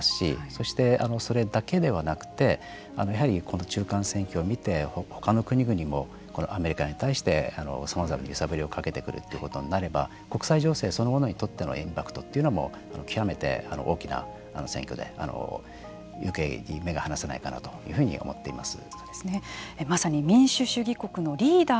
そして、それだけではなくてやはりこの中間選挙を見て他の国々もアメリカに対してさまざまな揺さぶりをかけてくるということになれば国際情勢そのものにとってのインパクトというのも極めて大きな選挙でよけいに目が離せないかなというふうに思っています。